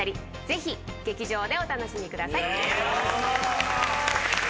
ぜひ劇場でお楽しみください。